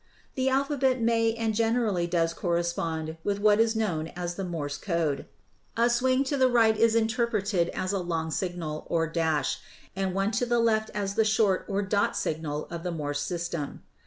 The alphabet may and generally does correspond with what is known as the "Morse Code." A swing to the right is interpreted as a long signal or dash, and one to the left as the short or "dot" signal of the Morse system.